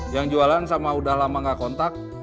yang jualan sama udah lama gak kontak